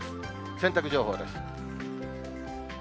洗濯情報です。